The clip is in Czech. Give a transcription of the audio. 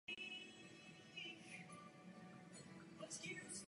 Zpočátku byl členem sociální demokracie.